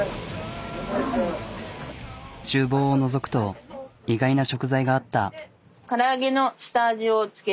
ちゅう房をのぞくと意外な食材があった。